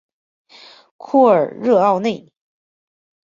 库尔热奥内。